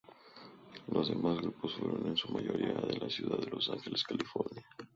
Los demás grupos fueron en su mayoría de la ciudad de Los Ángeles, California.